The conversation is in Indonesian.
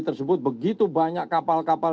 tersebut begitu banyak kapal kapal